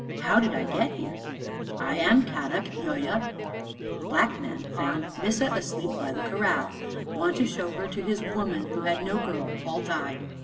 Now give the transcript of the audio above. How did I get here? "" I am Kadok, yoia. 1 Black man found little Missa asleep by the corral. Want to show her to his woman who had no girl, all die.